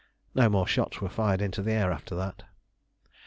No more shots were fired into the air after that.